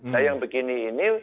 dan yang begini ini